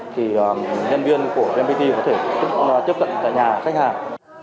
thì nhân viên của vnpt có thể tiếp cận tại nhà khách hàng